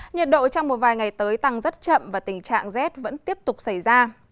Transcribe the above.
nhiệt độ trong một vài ngày tới tăng rất chậm và tình trạng rét vẫn tiếp tục xảy ra